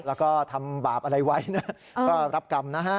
แล้วก็ทำบาปอะไรไว้นะก็รับกรรมนะฮะ